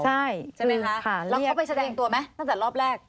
ใช่ไหมคะแล้วเขาไปแสดงตัวไหมตั้งแต่รอบแรก